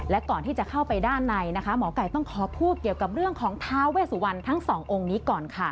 และก่อนที่จะเข้าไปด้านในนะคะหมอไก่ต้องขอพูดเกี่ยวกับเรื่องของท้าเวสุวรรณทั้งสององค์นี้ก่อนค่ะ